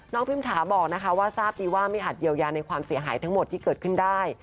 พิมถาบอกนะคะว่าทราบดีว่าไม่อาจเยียวยาในความเสียหายทั้งหมดที่เกิดขึ้นได้